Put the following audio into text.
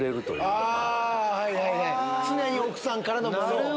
常に奥さんからのものを。